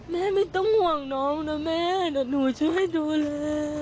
แม่ไม่ต้องห่วงน้องนะแม่หนูช่วยดูแล